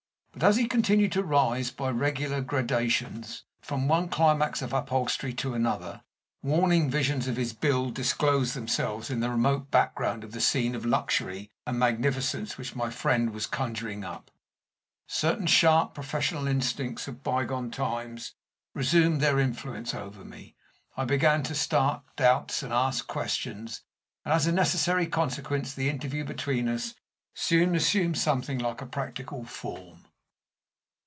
But as he continued to rise, by regular gradations, from one climax of upholstery to another, warning visions of his bill disclosed themselves in the remote background of the scene of luxury and magnificence which my friend was conjuring up. Certain sharp professional instincts of bygone times resumed their influence over me; I began to start doubts and ask questions; and as a necessary consequence the interview between us soon assumed something like a practical form.